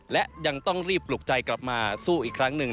และยังต้องรีบปลุกใจกลับมาสู้อีกครั้งหนึ่ง